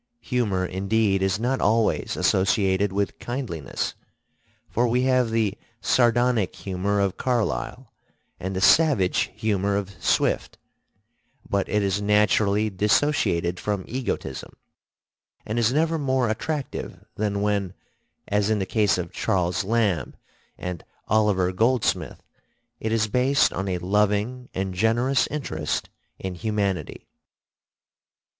Humor indeed is not always associated with kindliness, for we have the sardonic humor of Carlyle and the savage humor of Swift; but it is naturally dissociated from egotism, and is never more attractive than when, as in the case of Charles Lamb and Oliver Goldsmith, it is based on a loving and generous interest in humanity.